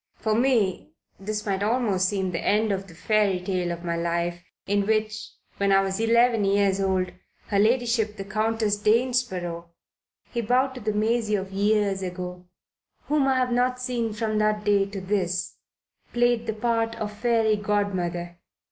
For me this might almost seem the end of the fairy tale of my life, in which when I was eleven years old her ladyship the Countess of Danesborough" (he bowed to the Maisie of years ago), "whom I have not seen from that day to this, played the part of Fairy Godmother.